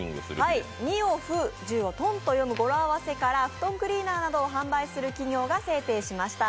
２を「ふ」、１０を「とん」と読む語呂合わせから布団クリーナーなどを販売する企業が制定しました。